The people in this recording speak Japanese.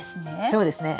そうですね。